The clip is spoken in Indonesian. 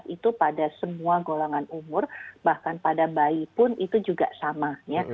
itu pada semua golongan umur bahkan pada bayi pun itu juga sama ya